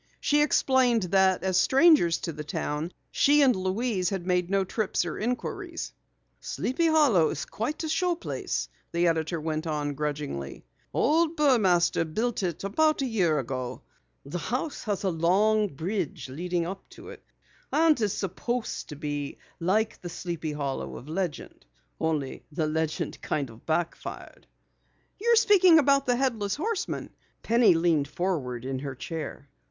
She explained that as strangers to the town, she and Louise had made no trips or inquiries. "Sleepy Hollow is quite a show place," the editor went on grudgingly. "Old Burmaster built it about a year ago. Imported an architect and workmen from the city. The house has a long bridge leading up to it, and is supposed to be like the Sleepy Hollow of legend. Only the legend kinda backfired." "You're speaking about the Headless Horseman?" Penny leaned forward in her chair.